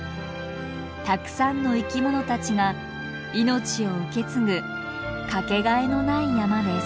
たくさんの生きものたちが命を受け継ぐ掛けがえのない山です。